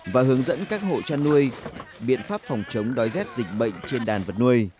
và hướng dẫn các hộ chăn nuôi biện pháp phòng chống đói rét dịch bệnh trên đàn vật nuôi